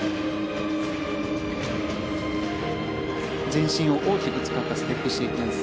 全身を大きく使ったステップシークエンス。